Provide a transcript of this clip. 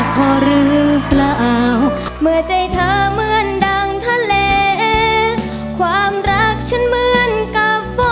คือหามอดเถอะค่ะ